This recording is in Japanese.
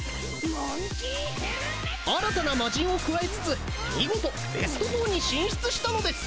新たなマジンを加えつつ見事ベスト４に進出したのです！